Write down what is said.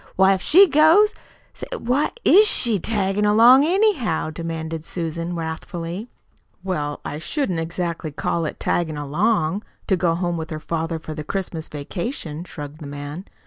Why, if she goes Say, why IS she taggin' along, anyhow?" demanded Susan wrathfully. "Well, I shouldn't exactly call it 'taggin' along' to go home with her father for the Christmas vacation," shrugged the man.